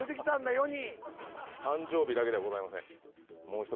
世に誕生日だけではございません